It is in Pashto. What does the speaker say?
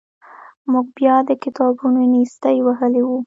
موږ بیا د کتابونو نیستۍ وهلي وو.